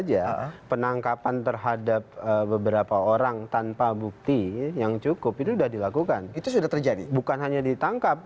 saja penangkapan terhadap beberapa orang tanpa bukti yang cukup itu sudah dilakukan itu sudah terjadi bukan hanya ditangkap